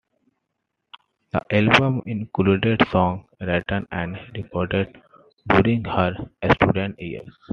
The album included songs written and recorded during her student years.